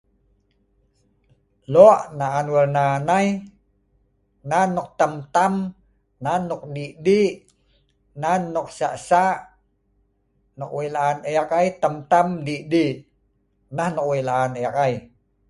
Lok naan warna nei nan nok tam-tam nan nok dik-dik nan nok sak-sak nok weik la’an e’ik ai tam-tam dik-dik neh nok we’ik la’an e’ik ai